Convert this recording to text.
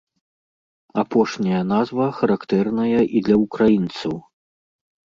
Апошняя назва характэрная і для ўкраінцаў.